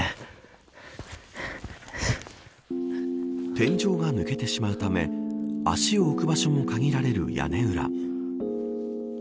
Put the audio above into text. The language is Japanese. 天井が抜けてしまうため足を置く場所も限られる屋根裏。